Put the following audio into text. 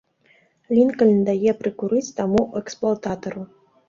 Лінкальн дае прыкурыць таму эксплуататару.